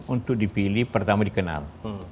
untuk dipilih pertama dikenal